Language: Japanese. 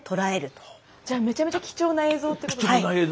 じゃあめちゃめちゃ貴重な映像ってことですか。